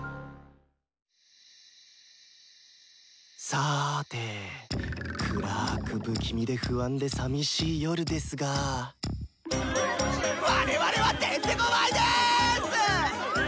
さぁて暗く不気味で不安でさみしい夜ですが我々はてんてこまいです！